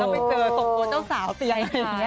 เออแล้วไปเจอสองโต่เจ้าสาวเตียงอะไรอย่างค่ะ